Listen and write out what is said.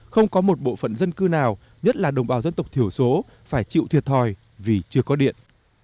không có một bộ phận dân cư nào nhất là đồng bào dân tộc thiểu số phải chịu thiệt thòi vì chưa có điện